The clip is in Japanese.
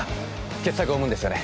傑作を生むんですよね